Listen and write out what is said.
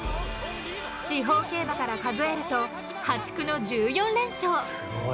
地方競馬から数えると破竹の１４連勝。